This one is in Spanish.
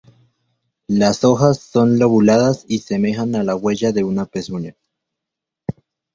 Las hojas son lobuladas y semejan a la huella de una pezuña.